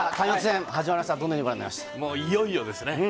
いよいよですね！